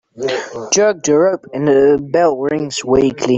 Jerk the rope and the bell rings weakly.